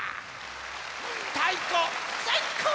たいこさいこ！